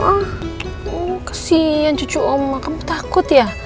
oh kasihan cucu oma kamu takut ya